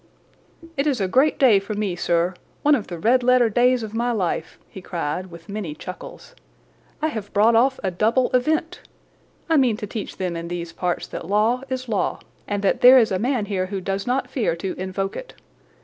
"It is a great day for me, sir—one of the red letter days of my life," he cried with many chuckles. "I have brought off a double event. I mean to teach them in these parts that law is law, and that there is a man here who does not fear to invoke it.